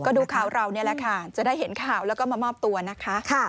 ก็ดูข่าวเรานี่แหละค่ะจะได้เห็นข่าวแล้วก็มามอบตัวนะคะ